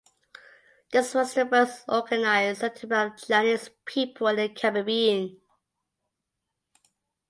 This was the first organised settlement of Chinese people in the Caribbean.